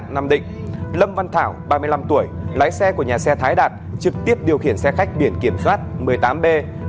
lâm văn thảo ba mươi năm tuổi lái xe của nhà xe thái đạt trực tiếp điều khiển xe khách biển kiểm soát một mươi tám b một nghìn tám trăm linh tám